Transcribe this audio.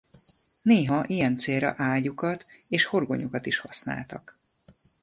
Néha ilyen célra ágyúkat és horgonyokat is használtak.